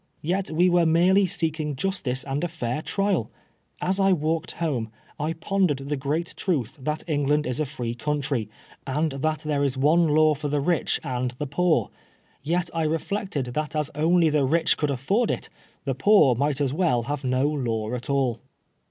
Yet we were merely seeking justice and a fair trial I As I walked home I pondered the great truth that England is a free country, and that there is one law for the rich and the poor ; yet I reflected that as only the rich could afford it, the poor might as well have no law at all.